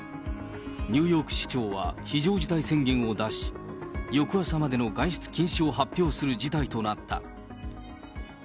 ニューヨーク市長は非常事態宣言を出し、翌朝までの外出禁止を発表する事態となった。